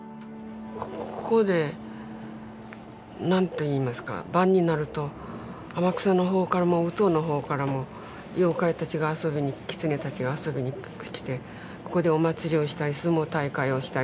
ここで何ていいますか晩になると天草の方からも宇土の方からも妖怪たちが遊びにキツネたちが遊びに来てここでお祭りをしたり相撲大会をしたり。